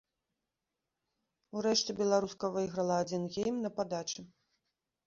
Урэшце беларуска выйграла адзін гейм на падачы.